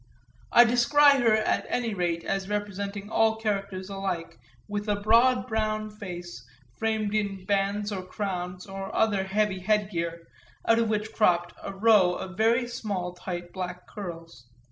I descry her at any rate as representing all characters alike with a broad brown face framed in bands or crowns or other heavy headgear out of which cropped a row of very small tight black curls.